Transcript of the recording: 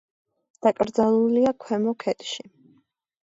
დაკრძალულია ქვემო ქედში.